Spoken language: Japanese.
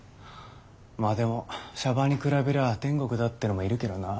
まあでも娑婆に比べりゃ天国だってのもいるけどな。